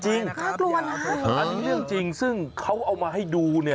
อันนี้เรื่องจริงซึ่งเขาเอามาให้ดู